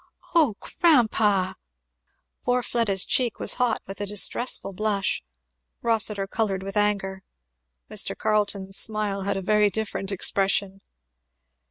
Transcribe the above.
"Oh grandpa!" Poor Fleda's cheek was hot with a distressful blush. Rossitur coloured with anger. Mr. Carleton's smile had a very different expression.